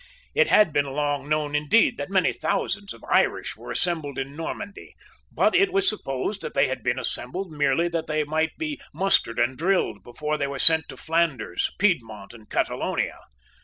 It had been long known indeed that many thousands of Irish were assembled in Normandy; but it was supposed that they had been assembled merely that they might be mustered and drilled before they were sent to Flanders, Piedmont, and Catalonia.